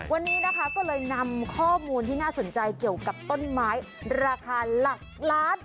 วันนี้นะคะก็เลยนำข้อมูลที่น่าสนใจเกี่ยวกับต้นไม้ราคาหลักล้าน